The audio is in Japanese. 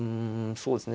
そうですね。